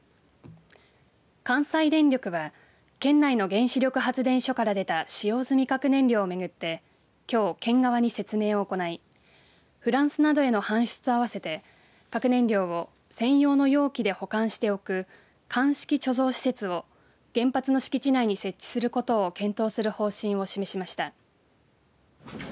関西電力は県内の原子力発電所から出た使用済み核燃料を巡ってきょう県側に説明を行いフランスなどへの搬出と合わせて核燃料を専用の容器で保管しておく乾式貯蔵施設を原発の敷地内に設置することを検討する方針を示しました。